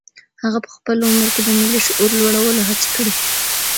هغه په خپل عمر کې د ملي شعور لوړولو هڅې کړي.